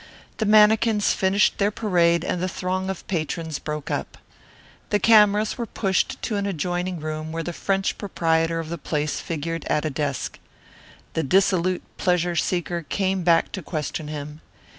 The mannequins finished their parade and the throng of patrons broke up. The cameras were pushed to an adjoining room where the French proprietor of the place figured at a desk. The dissolute pleasure seeker came back to question him.